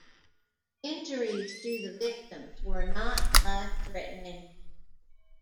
Injuries to the victims were not life-threatening.